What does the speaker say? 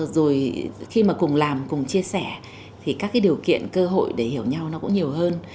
rồi khi mà cùng làm cùng chia sẻ thì các cái điều kiện cơ hội để hiểu nhau nó cũng nhiều hơn